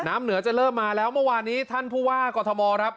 น้ำเหนือจะเริ่มมาแล้วเมื่อวานนี้ท่านผู้ว่ากรทมครับ